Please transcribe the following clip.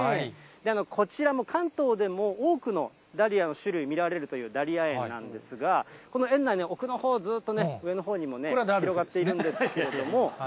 こちらも関東でも多くのダリアの種類、見られるというダリア園なんですが、この園内ね、奥のほう、ずっとね、上のほうにもね、広がっているんですけれども。